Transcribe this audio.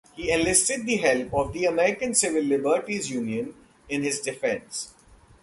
He enlisted the help of the American Civil Liberties Union in his defense.